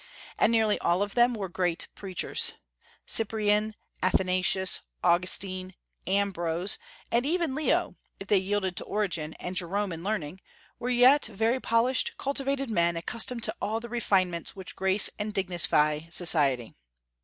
And nearly all of them were great preachers: Cyprian, Athanasius, Augustine, Ambrose, and even Leo, if they yielded to Origen and Jerome in learning, were yet very polished, cultivated men, accustomed to all the refinements which grace and dignify society.